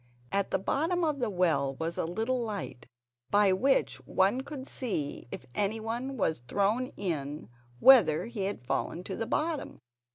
At the bottom of the well was a little light by which one could see if anyone was thrown in whether he had fallen to the bottom.